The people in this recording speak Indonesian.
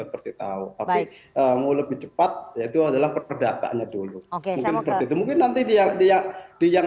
seperti tahu tapi mau lebih cepat yaitu adalah perdataannya dulu oke mungkin nanti dia dia yang